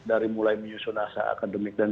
dari mulai menyusun nasa akademik dan